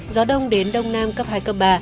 gió đông đến đông nam cấp hai cấp ba